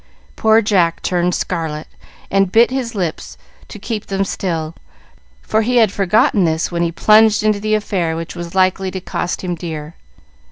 Poor Jack turned scarlet and bit his lips to keep them still, for he had forgotten this when he plunged into the affair which was likely to cost him dear.